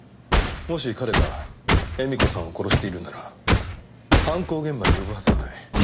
もし彼が絵美子さんを殺しているなら犯行現場に呼ぶはずがない。